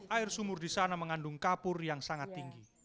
air sumur di sana mengandung kapur yang sangat tinggi